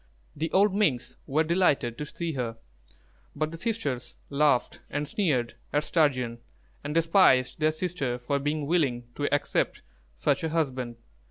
The old Minks were delighted to see her; but the sisters laughed and sneered at Sturgeon, and despised their sister for being willing to accept such a husband.